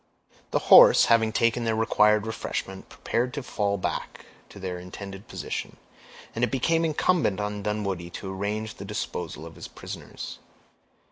The horse, having taken their required refreshment, prepared to fall back to their intended position, and it became incumbent on Dunwoodie to arrange the disposal of his prisoners.